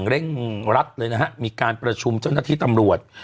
เร่งรัดเลยนะฮะมีการประชุมเจ้าหน้าที่ตำรวจ